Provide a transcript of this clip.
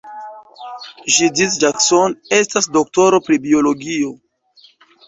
Judith Jackson estas doktoro pri biologio.